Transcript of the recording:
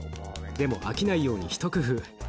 でも飽きないように一工夫。